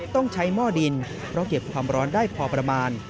ต้องใช้หม้อดินเพราะเก็บความร้อนได้พอประมาณ